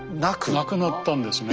なくなったんですね。